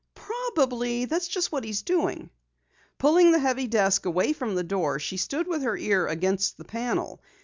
"Probably that's just what he's doing." Pulling the heavy desk away from the door, she stood with her ear against the panel.